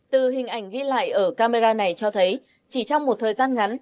từ hình ảnh ghi lại ở camera này cho thấy chỉ trong một thời gian ngắn